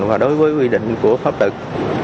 và đối với quy định của pháp luật